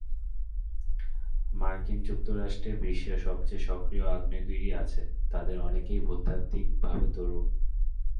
মার্কিন যুক্তরাষ্ট্রে বিশ্বের সবচেয়ে সক্রিয় আগ্নেয়গিরি আছে, তাদের অনেকেই ভূতাত্ত্বিকভাবে তরুণ।